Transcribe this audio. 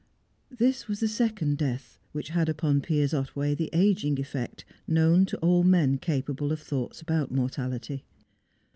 This was the second death which had upon Piers Otway the ageing effect known to all men capable of thoughts about mortality.